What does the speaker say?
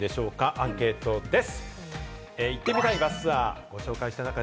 アンケートです。